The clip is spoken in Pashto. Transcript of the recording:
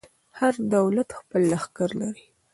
هر دولت خپل لښکر لري.